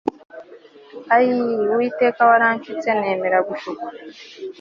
ayii uwiteka waranshutse nemera gushukwa